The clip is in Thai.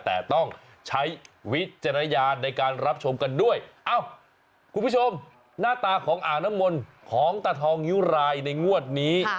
แต่ต้องใช้วิจารณญาณในการรับชมกันด้วยเอ้าคุณผู้ชมหน้าตาของอ่างน้ำมนต์ของตาทองนิ้วรายในงวดนี้